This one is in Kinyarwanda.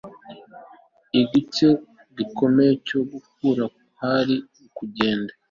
igice gikomeye cyo gukura kwari ukugenda